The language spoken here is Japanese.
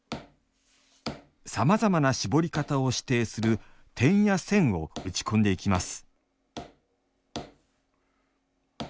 さまざまな絞り方を指定する点や線を打ち込んでいきます